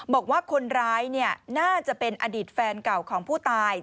บอกว่าคนร้ายน่าจะเป็นอดีตแฟนเก่าของผู้ตาย